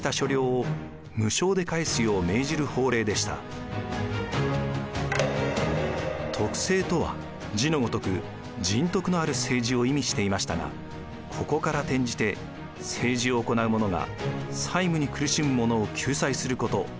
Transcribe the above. これは徳政とは字のごとく「仁徳のある政治」を意味していましたがここから転じて政治を行う者が債務に苦しむ者を救済すること